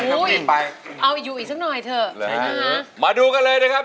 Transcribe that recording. อุ๊ยเอาอยู่แสดงสักหน่อยเถอะใช่ไหมค่ะมาดูกันเลยนะครับ